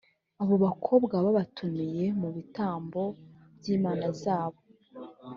abo bakobwa babatumiye mu bitambo by’imana zabo.